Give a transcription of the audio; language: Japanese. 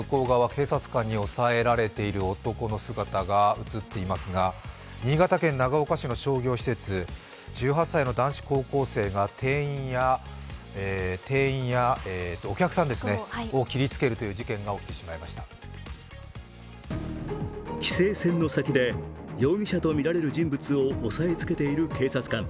ロープの向こうに警察官に押さえつけられている男の姿が写っていますが新潟県長岡市の商業施設で１８歳の男子高校生が、店員やお客さんを切りつけるという事件が起こってしまいました規制線の先で容疑者とみられる人物を押さえつけている警察官。